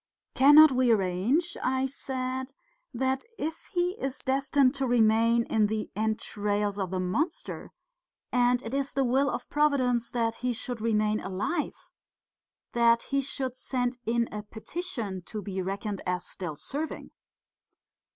"Cannot we arrange," I said, "that if he is destined to remain in the entrails of the monster and it is the will of Providence that he should remain alive, that he should send in a petition to be reckoned as still serving?"